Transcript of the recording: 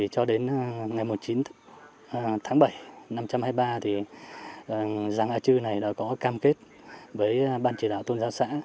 cho đến ngày một mươi chín tháng bảy năm trăm hai mươi ba thì giàng a chư này đã có cam kết với ban chỉ đạo tôn giáo xã